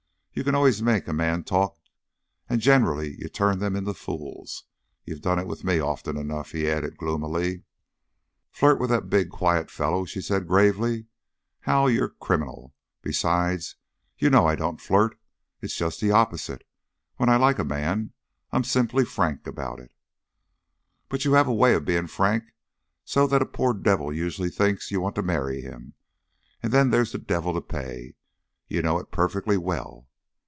You can always make a man talk and generally you turn them into fools. You've done it with me, often enough," he added gloomily. "Flirt with that big, quiet fellow?" she said gravely. "Hal, you're criminal. Besides, you know that I don't flirt. It's just the opposite. When I like a man I'm simply frank about it." "But you have a way of being frank so that a poor devil usually thinks you want to marry him, and then there's the devil to pay. You know it perfectly well."